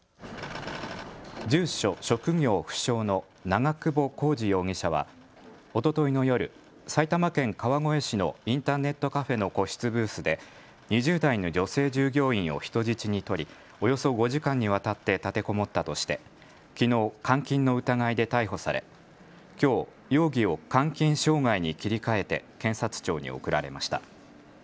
住所・職業不詳の長久保浩二容疑者はおとといの夜、埼玉県川越市のインターネットカフェの個室ブースで２０代の女性従業員を人質に取りおよそ５時間にわたって立てこもったとしてきのう監禁の疑いで逮捕されきょう容疑を監禁傷害に切り替え検察庁に送られました。